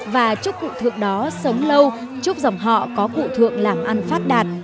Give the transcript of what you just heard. và chúc cụ thượng đó sống lâu chúc dòng họ có cụ thượng làm ăn phát đạt